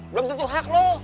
belum tentu hak lo